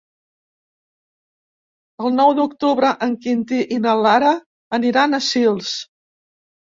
El nou d'octubre en Quintí i na Lara aniran a Sils.